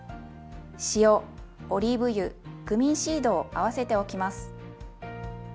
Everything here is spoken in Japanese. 塩オリーブ油クミンシードを合わせておきます。